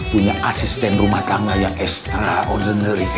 punya asisten rumah tangga yang extraordinary